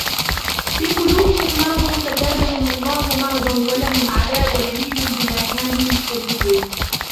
في قلوبهم مرض فزادهم الله مرضا ولهم عذاب أليم بما كانوا يكذبون